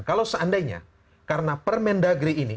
kalau seandainya karena permendagri ini